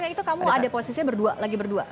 itu kamu ada posisinya berdua lagi berdua